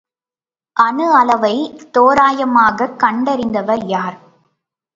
அணு அளவைத் தோராயமாகக் கண்டறிந்தவர் யார்?